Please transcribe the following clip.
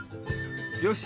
よし！